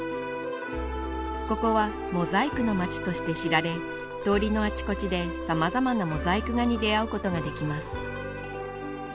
ここはモザイクの街として知られ通りのあちこちでさまざまなモザイク画に出合うことができます